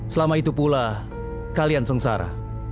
selama itu pula kalian sengsara